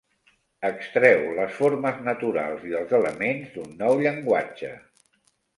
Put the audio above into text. Extreu les formes naturals i els elements d'un nou llenguatge.